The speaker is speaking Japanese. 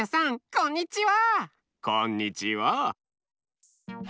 こんにちは。